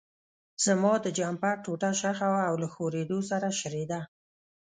زما د جمپر ټوټه شخه وه او له شورېدو سره شریده.